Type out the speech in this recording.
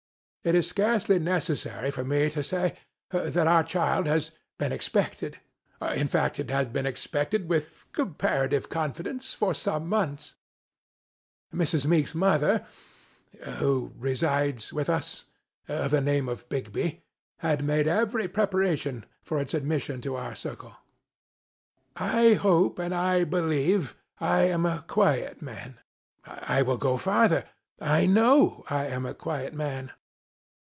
It is scarcely necessary for me to say, that our child had been expected. In fact, it had been expected, with comparative confidence, for some months. Mrs. Meek's mother, who resides with us — of the name of Bigby — had made every preparation for its admission to our circle. I hope and believe I am a quiet man. I will go farther. I know I am a quiet man.